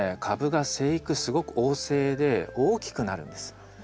株が生育すごく旺盛で大きくなるんです。